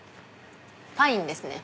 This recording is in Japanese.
パインですね。